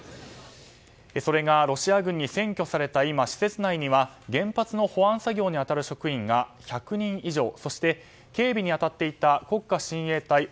それがロシア軍に占拠された今施設内には原発の保安作業に当たる職員が１００人以上そして警備に当たっていた国家親衛隊